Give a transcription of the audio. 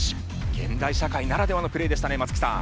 現代社会ならではのプレーでしたね松木さん。